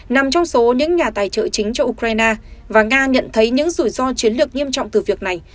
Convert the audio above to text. nằm trong số những nhà tài trợ chính cho ukraine và nga nhận thấy những rủi ro chiến lược nghiêm trọng từ việc này